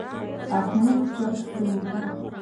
احمد چرګ سور کړ.